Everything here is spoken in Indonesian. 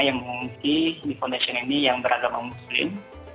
yang mengungsi di foundation ini yang beragama muslim